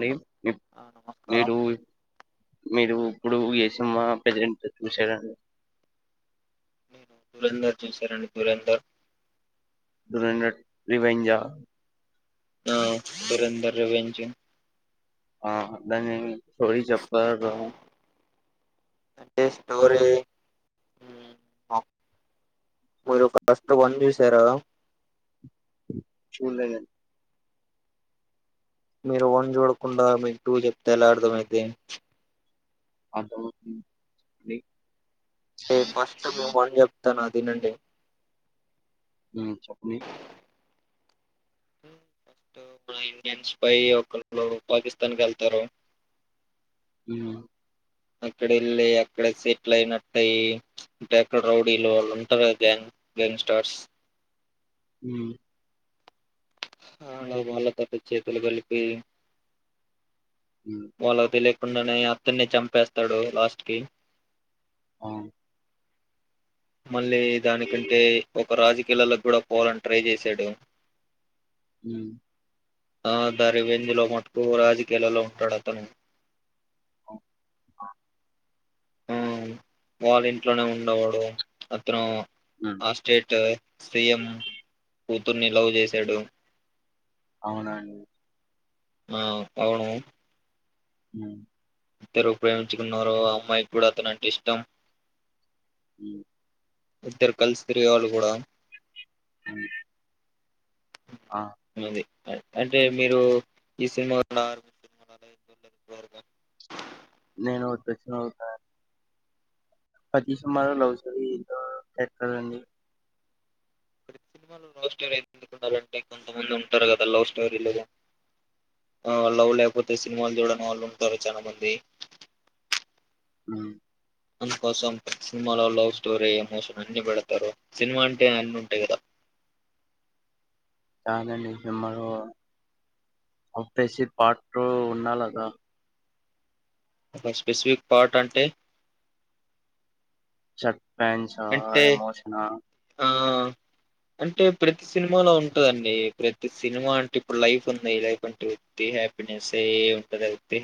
లీమ్ ఆ నమస్కారం మీరు మీరు ఇప్పుడు ఏ సినిమా ప్రజెంట్ చూశారు అండి మీను దురంధర్ చూసానండి దురంధర్ దురంధర్ రివేంజ్ ఆ ఆ దూరందర్ రివెంజ్ ఆ దాన్ని స్టోరీ చెప్పాదు అంటే స్టోరీ మ్మ్. మీరు ఫస్ట్ వన్ చూశారా చూడలేద మీరు వన్ చూడకుండా మీకు టూ చెప్తే ఎలా అర్థమైద్ది అర్థమవుతుంది చెప్పండి ఏ ఫస్ట్ ము గన్ చెప్ ప్తన్నా అదినండి ఉం చెప్పండి ఫస్ట్ ఇండియన్స్ పై ఒకరు పాకిస్తాన్ కి వెళ్తారు ఉహ్ అక్కడ వెళ్ళి అక్కడ సెటిల్ అయినట్టాయి ఇంక అక్కడ రౌడీలు వాళ్ళు ఉంటారు గ్యాంగ్ గ్యాంగ్స్టార్స్ ఉం ఆ వాళ్ళ తో చేతులు కలిపి ఉమ్ వాళ్లకి తెలియక కుండానే అక్కడనే చంపేస్తాడు లాస్ట్ కి అవున్ మళ్ళీ దానికంటే ఒక రాజ పిల్లలకు కూడా పోవాలని ట్రై చేశాడు ఉమ్ ఆ దా రివెంజ్ లో రాజకీయాలలో ఉంటాడు అతను ఆ ఆ ఆ వాళ్ళ ఇంట్లోనే ఉండేవాడు అతను ఉమ్ ఆ స్టేట్ సిఎం కూతుర్ని లవ్ చేశాడు అవునా అండి ఆ అవును ఉం ఇద్దరు ప్రేమించుకున్నారు ఆ అమ్మాయి కూడా అతనుంటే ఇష్టం అ ఇద్దరు కలిసి తిరివాళ్ళు కూడా అను అది అంటే మీరు ఈ సినిమా కూ [unintelligible] నేను [unintelligible] అతి సుమారు లవ్ స్టోరీ ఇతడి అండి ప్రతి సినిమాలు లవ్ స్టోరీ ఎట్లా ఉండాలి అంటే కొంతమంది ఉంటారు కదా లవ్ స్టోరీ లేదా ఆ లవ్ లేకపోతే సినిమాలు చూడడం వాళ్ళు ఉంటారు చాలా మంది. హ అందుకోసం సినిమాలో లవ్ స్టోరీ ఎమోషన్ అన్ని పెడతారు సినిమా అంటే అన్న ఉంటాయి కదా సినిమా లో పార్ట్ టూ ఉండాలి గా ఒక స్పెసిఫిక్ పార్ట్ అంటే స సస్పెన్స్ హ అంటే ఎమోషన్ హ ఆ అంటే ప్రతి సినిమాలో ఉంటదండి ప్రతి సినిమా అంటే ఇప్పుడు లైఫ్ ఉన్నాయి లైఫ్ అంటే వ్యక్తి హ్యాపీనెస్ ఏ ఉంటది ఐతే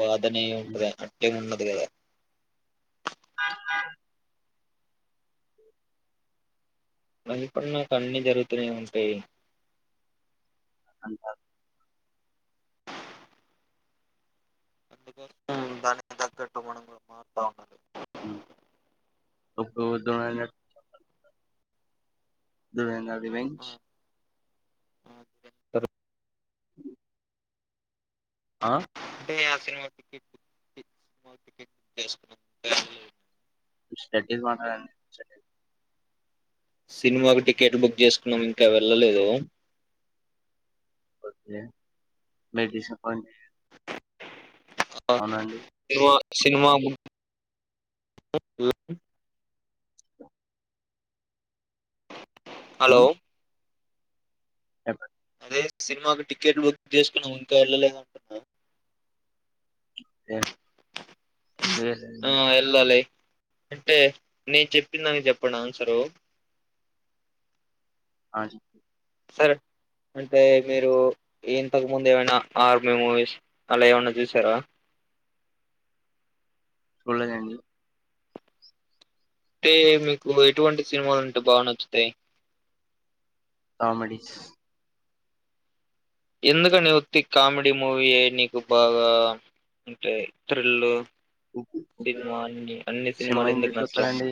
బాధనే ఉంటది అటిన్న అ ఆ లైఫ్ అన్ననక అన్ని జరుగుతూనే ఉంటాయి. అ అందుకని దానికి తగ్గట్టు మనం కూడా మారుతా ఉండాల ఒక [inaudible] దువందది వెెంచ స [unintelligible] ఆ ఆ సినిమా [unintelligible] చేస్తున్నా స్టడీ మాడి సినిమాకు టికెట్ బుక్ చేసుకున్నాం ఇంకా వెళ్ళలేదు ఓకే మరి డిస్సపోఇంట్ చేయకు సినిమాకి టికెట్ బుక్ చేసుకున్నాం ఇంకా వెళ్ళలేదు ఆ, సినిమా సినిమా ము అ హలోల ఎ అదే సినిమాకి టికెట్లు బుక్ చేసుకున్నా ఇంకా వెళ్ళలేద అంటున్నా ఏ లేదండి ఆ వెళ్ళాలి అంటే నేను చెప్పింన దానికి చెప్పండి ఆన్సరు అ సరే అంటే మీరు ఇంతకు ముందు ఏమైనా ఆర్మీ మూవీస్ అలా ఏమన్నా చూసారా. చూడలేదు అండి టే మీకు ఎటువంటి సినిమాలుంటే బాగ్ నచ్చుతాయ్. కామెడీస్ ఎందుకని వొత్తిగ్ కామెడీ మూవీయే నీకు బాగా అంటే థ్రిల్లు. సిన్మా సినిమాలు ఎందుకు ఎందుక్ నచ్చవు చూస్తరండి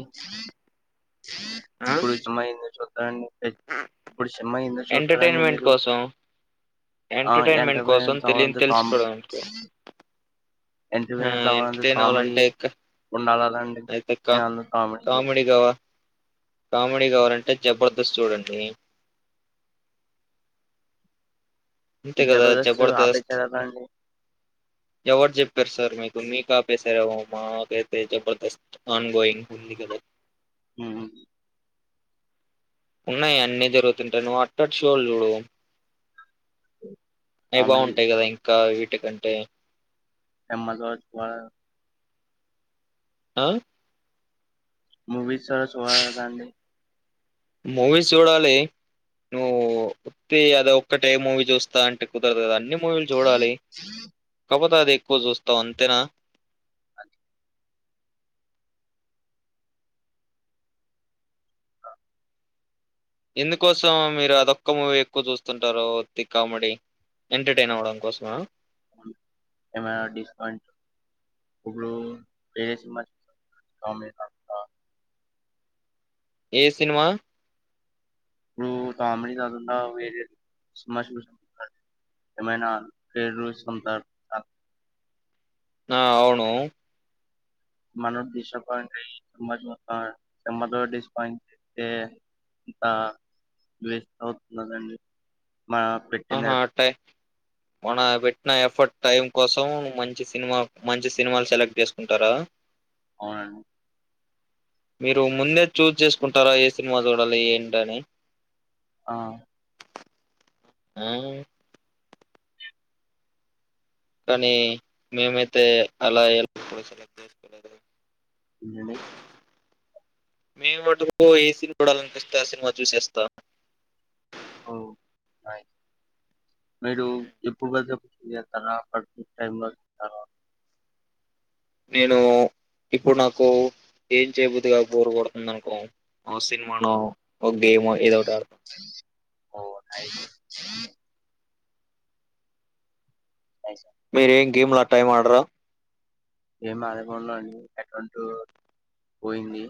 ఇప్పుడు ఈ సిన్మా ఎందుకు చూ. రండి ఇప్పుడు సిన్మా ఎందుకు చూత్తరండి ఎంటర్టైన్మెంట్ మీరు కోసం ఆ ఎంటర్టైన్మెంట్ కోసం ఎంటర్మైన్. తెలియని తెలుసుకోవడానికో [unintelligible] ఎంటర్మైన్టెట్ అవ్వాలంటే ఎంటర్టైన్ కామెడీ అవ్వాలంటే క- ఉండాలదండి అయితే ఏమైన కామెంట్లు. కామెడి గావాలంటే జబర్దస్ చూడండి. అంతే కదా జబర్దస్తు ఆపేశా గదండీ. ఎవర్ జెప్పిర్సార్ మీకు మీ కాపేశారేమో మాకైతే జబర్దస్త్ ఆన్ గోయింగ్ ఉంది కద. ఉమ్ ఉమ్ ఉన్నాయ్ అన్నీ జరుగుతుంటాయ్ నువ్వు అత్తర్ షోల్ జూడు. అయ్ కామెడీ బాగుంటాయ్ గదా ఇంకా ఇ టి కంటే [unintelligible] అ మూవీస్ చరస్ వాడరా అండి. మూవీస్ జూడాలి నువ్వు వొత్తి అదొక్కటే మూవీ జూస్తా అంటె కుదరద్ గదా అన్ని. మూవీల్ జూడాలి కబోత్ త అదెక్కువ్ జూస్తవ్ అంతెనా. అంతె ఎందుకోసం మీరు అదొక్క మూవీ ఎక్కువ్ జూస్తుంటారు ఒత్తి కామెడీ ఎంటర్టైన్ అవ్వడం కోస్మా. ఏమై డిస్కౌంట్ ఇబ్బుడు ఏ సిన్మా [inaudible] కామ్డీ తప్ప. ఏ సినిమా ఇబ్బుడు కామ్డి గాకుండా వేరేది సిన్మా [unintelligible] ఏమైనా [unintelligible] ఆ ఔను. మనం డిస్సప్పాయింటయ్య్ సిన్మా జూత్తా సిన్మాలో డిస్పాయింటైతే ఇంత వేస్టవ్తుంది కదండి. మా ఆహా పెట్టిందారు అట్టే మన బెట్న ఎఫర్ట్ టైం కోసం మంచి సినిమా మంచి సినిమాలు సెలెక్ట్ జేస్కుంటారా. ఔనండి. మీరు ముందే చూజ్ చేసుకుంటారా ఏ సిన్మా జూడల్ల ఏంటని. ఆ అమ్ కానీ మేమైతే అలా ఎప్పుడు సెలెక్ట్ జేస్కోలేదు. కొంజమెయ్ మేం మట్టుకు ఏ సినిమా చూడాలనిపిస్తే ఆ సినిమా చూసేస్థాం ఓ నైస్ మీరు ఎప్పుడ్ బడితే అప్పుడు చూసేత్తారా పడుకునే టైంలో సూత్తారా. నేను ఇప్పుడ్ నాకు ఏం చేయబుద్దిగాక బోర్ గొడుతుందనుకో ఆ సినిమానో. ఒగ్గేమో ఏదో ఒకటాడ్తా. స [inaudible] స మీర ఏం గేమ్లు అట్టా ఏమాడరా ఏం [unintelligible] అండి అకౌంట్ పోయింది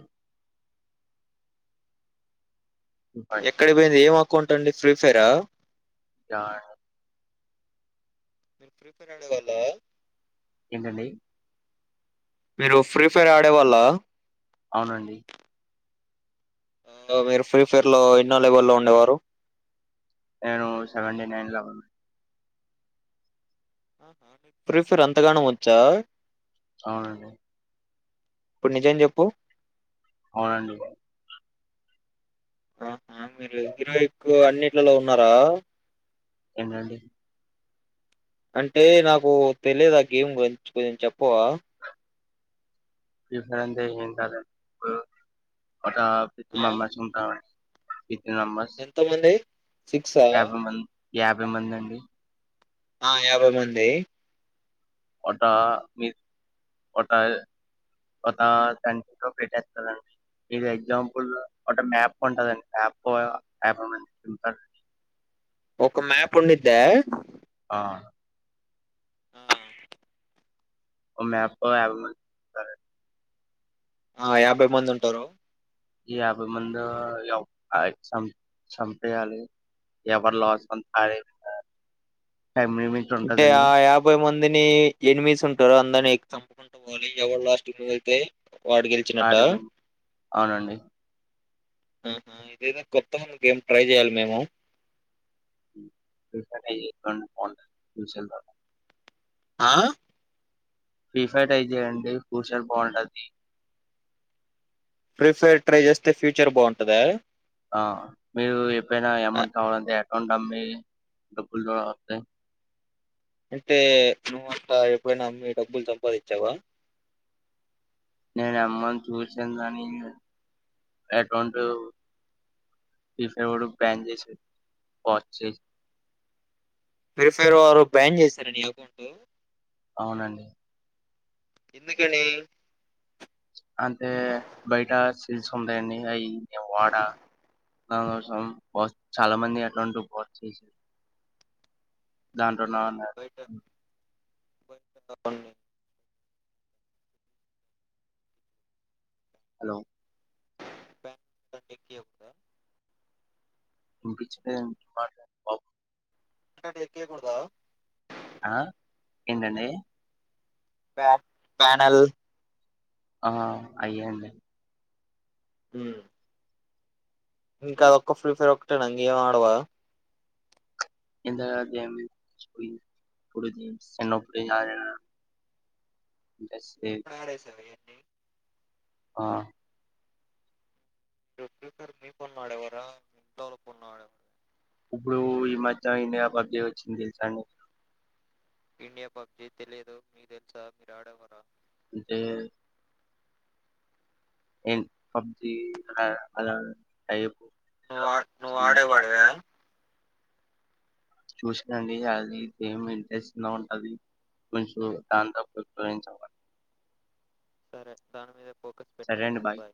బట్ ఎక్కడి పోయింది ఏమ్ అకౌంట్ అండి ఫ్రీ ఫైరా ఆహ్ మీరు ఫ్రీ ఫైర్ అడేవాళ్ళా ఏంటండీ మీరు ఫ్రీ ఫైర్ ఆడేవాళ్ళ అవునండి మీరు ఫ్రీ ఫైర్ లో ఎన్నో లెవెల్లో ఉండేవారు నేను సెవెంటీ నైన్ లో ఉన్నా ఆహ్ మీకు ఫ్రీ ఫైర్ అంతగనం వచ్చా అవునండి ఇప్పుడు నిజం చెప్పు అవునండి ఆహా మీరు [unintelligible] ఎక్కువ అన్నిట్లలో ఉన్నారా ఎంటండి అంటే నాకు తెలిదు ఆ గేమ్ గురించి కొంచెం చెప్పవా [unintelligible] ఆ? [unintelligible] ఇంటి నంబర్స్ ఎంతమంది సిక్సా యాభై మంది అండి ఆ యాభై మంది ఒక మీ ఒక ఒక గంటలో పెట్టేస్తరాండి ఇది ఎగ్జాంపుల్ ఒక మ్యాప్ ఉంటదండి మ్యాప్ లో యాబై మంది ఉంటారండి ఒక మ్యాప్ ఉండిద్దా ఆ ఆ ఓ మ్యాప్ లో యాబై మంది ఉంటారండి ఆ యాభై మంది ఉంటారు ఈ యాభై మంది చ చంపేయాలి ఎవరి లాస్ అయితే అంటే ఆ యాభై మంది అందరిని ఎనిమిస్ ఉంటారు అందరిని చంపుకుంటూ పోవాలి ఎవరు లాస్ట్ మిగిలితే వాడు గెలిచినట్ట [unintelligible] అవునండి ఆహా ఇదైదో కొత్తగుంది గేమ్ ట్రై చెయాలి మేము [inaudible] ఆ ఫ్రీ ఫైర్ ట్రై చేయండి, హూషర్ బాగుంటది. ఫ్రీ ఫైర్ ట్రై చేస్తే ఫ్యూచర్ బాగుంటదా ఆ మీరు ఎప్పుడైనా ఆ, ఏమౌంట్ కావాలంటే ఇంకా మీ డబ్బలు కూడా వస్తాయి అంటే నువ్వు అట్టా ఎప్పుడైనా అన్ని డబ్బులు సంపాదించావా నేను అమ్మని చూసిన్ననీ, అకౌంట్ ఇంకెవడో బ్యాన్ చేసిండు వచ్చేసి ప్రీ ఫైర్ ఎవరో బ్యాన్ చేసార నీ అకౌంట్? అవునండి. ఎందుకనీ? అంటే బయట సిల్స్ ఉంటాయండి, అయి నేన్ వాడా. దానికోసం చాలా మంది అట్లాంటి ఫ్రాడ్ చేసిర్రు. దాన్ తో నా నెట్ బయట బయట బావున్నయి. హలో బ్యాంక్ దాన్ ఏ టీ యం ఉందా? ఇన్పిచ్చుడే డిపార్ట్మెంట్ అవు ఇట్లాంటియి ఎక్కియకూడద? ఆ? ఏంటండి? Trap, panel. ఆహా, అయ్యేమ్ లేదు. ఉమ్ ఇంకా, అదొక్క ఫ్రీ ఫైర్ ఒకటేనా? ఇంగ ఏం ఆడవా? ఇంతదాక ఏం. పుడు సిన్నప్పుడు ఆడినా. ఇంట్రెస్ట్ లేదు. ఆడేసావా ఇయన్నీ ఆ [unintelligible] మీ ఫోన్ల ఆడేవార? ఇంట్లో వాళ్ళ ఫోన్ల ఆడేవార? ఇప్పుడు, ఈ మద్య ఇండియా పబ్జి వచ్చింది తెల్సా నీకు? ఇండియా పబ్జీ తెలియదు, మీకు తెలుసా? మీరు ఆడేవారా? అంటే ఏం? పబ్జీ అదా టైపు. నువ్వా నువ్వు వచ్చిందండి ఆడేవాడివా? చూస్నండి, అది గేమ్ ఇంట్రెస్ట్గా ఉంటది. కొంచెం దాన్ త ఉపయోగించాలి. తె, దాని మీద ఫోకస్ పెట్టండి మరి బాయ్ బాయ్